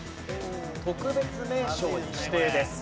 特別名勝に指定です。